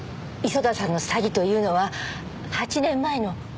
磯田さんの詐欺というのは８年前の。